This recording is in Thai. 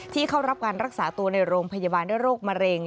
เข้ารับการรักษาตัวในโรงพยาบาลด้วยโรคมะเร็ง